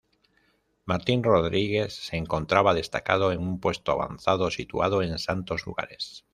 Martín Rodríguez se encontraba destacado en un puesto avanzado situado en Santos Lugares.